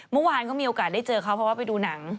เมื่อวานเขามีโอกาสได้เจอเขาเพราะว่าไปดูหนัง